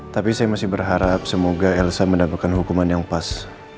tapi saya masih berharap semoga elsa mendapatkan hukuman yang pas